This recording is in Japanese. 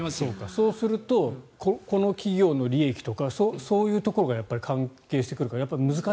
そうするとこの企業の利益とかそういうところがやっぱり関係してくるか。